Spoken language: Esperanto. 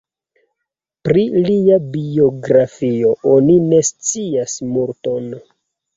Pri lia biografio oni ne scias multon.